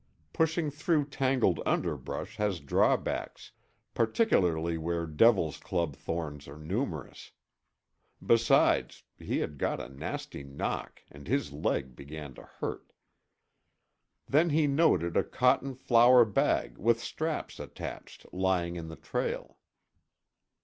Pushing through tangled underbrush has drawbacks, particularly where devil's club thorns are numerous. Besides, he had got a nasty knock and his leg began to hurt. Then he noted a cotton flour bag with straps attached lying in the trail.